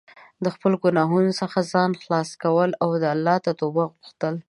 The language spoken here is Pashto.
د خپلو ګناهونو څخه ځان خلاص کول او د الله توبه غوښتل.